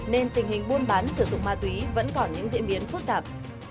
nên tình hình buôn bán sử dụng ma túy vẫn còn những diễn biến phức tạp